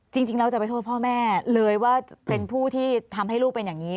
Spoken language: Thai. จริงแล้วจะไปโทษพ่อแม่เลยว่าเป็นผู้ที่ทำให้ลูกเป็นอย่างนี้